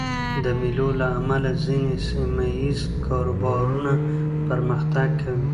د مېلو له امله ځيني سیمه ییز کاروبارونه پرمختګ کوي.